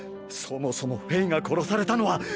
そもそもフェイが殺されたのは！！